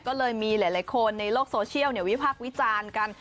ก็เลยมีหลายคนในโลกโซเชียลวิพากษ์วิจารณ์กัน